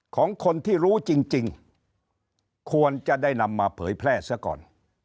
ของคนที่รู้จริงควรจะได้นำมาเผยแพร่ซะก่อน